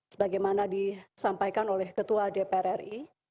sebagaimana disampaikan oleh ketua dpr ri